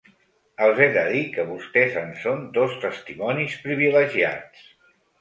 Els he de dir que vostès en són dos testimonis privilegiats.